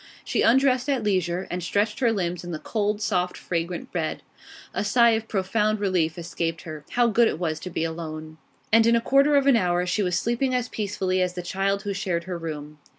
She undressed at leisure, and stretched her limbs in the cold, soft, fragrant bed. A sigh of profound relief escaped her. How good it was to be alone! And in a quarter of an hour she was sleeping as peacefully as the child who shared her room.